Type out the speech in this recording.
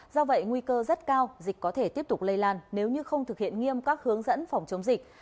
do vậy nguy cơ rất cao dịch có thể tiếp tục lây lan nếu như không thực hiện nghiêm các hướng dẫn phòng chống dịch